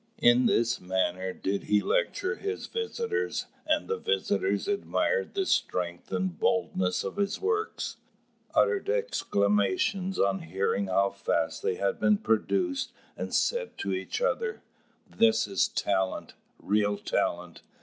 In this manner did he lecture his visitors; and the visitors admired the strength and boldness of his works, uttered exclamations on hearing how fast they had been produced, and said to each other, "This is talent, real talent!